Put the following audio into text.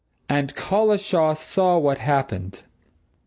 And Collishaw saw what happened!"